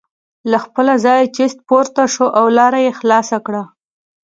له خپله ځایه چست پورته شو او لاره یې خلاصه کړه.